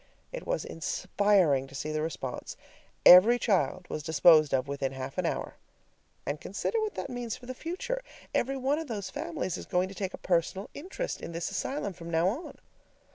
It was inspiring to see the response. Every child was disposed of within half an hour. And consider what that means for the future: every one of those families is going to take a personal interest in this asylum from now on.